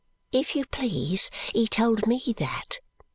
"If you please, he told ME that!"